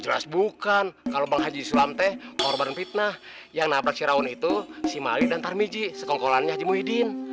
jelas bukan kalau bang haji sulam teh korban fitnah yang nabrak shiraun itu si mali dan tarmi ji sekongkolannya haji muhyiddin